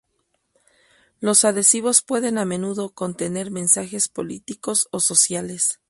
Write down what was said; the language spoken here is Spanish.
Los adhesivos pueden a menudo contener mensajes políticos o sociales.